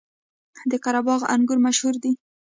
د قره باغ انګور مشهور دي